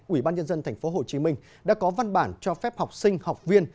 ủy ban nhân dân tp hcm đã có văn bản cho phép học sinh học viên